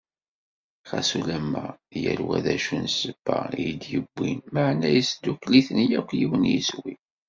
Xas ulamma, yal wa d acu n ssebba i t-id-yewwin, meɛna yesddukkel-iten yakk yiwen yiswi.